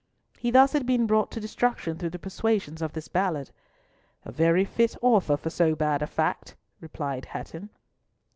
He thus had been brought to destruction through the persuasions of this Ballard. "A very fit author for so bad a fact," responded Hatton.